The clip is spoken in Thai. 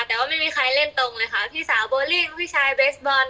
แต่ว่าไม่มีใครเล่นตรงเลยค่ะพี่สาวโบลี่พี่ชายเบสบอล